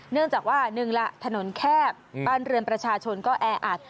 เนื่องจากว่าหนึ่งล่ะถนนแคบบ้านเรือนประชาชนก็แออัด